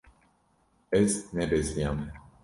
Ez nebeziyame.